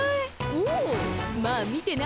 おうまあ見てな。